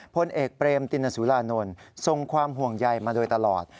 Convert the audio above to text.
พลเอกเปรมตินสุรานนท์ทรงความห่วงใยมาโดยตลอด